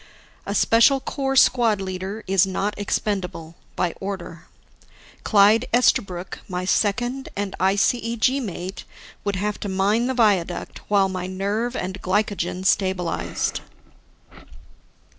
A Special Corps squad leader is not expendable by order. Clyde Esterbrook, my second and ICEG mate, would have to mine the viaduct while my nerve and glycogen stabilized.